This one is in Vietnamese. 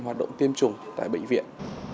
hoạt động tiêm chủng tại bệnh viện